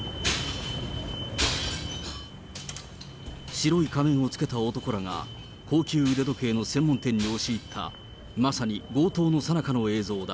白い仮面をつけた男らが、高級腕時計の専門店に押し入ったまさに強盗のさなかの映像だ。